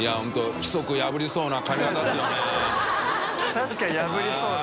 確かに破りそうな。